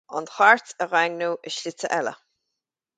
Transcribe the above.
An Chairt a dhaingniú i slite eile.